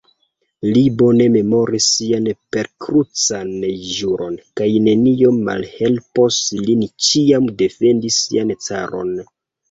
Li bone memoris sian perkrucan ĵuron, kaj nenio malhelpos lin ĉiam defendi sian caron.